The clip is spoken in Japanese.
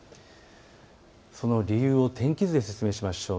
その理由を天気図で説明しましょう。